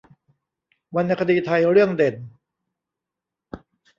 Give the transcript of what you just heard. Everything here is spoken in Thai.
วรรณคดีไทยเรื่องเด่น